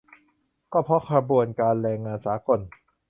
ก็เพราะขบวนการแรงงานสากล